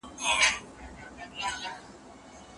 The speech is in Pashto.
پوهي د انسان د بريا راز دی چي هغه لوړو مقامونو ته رسوي.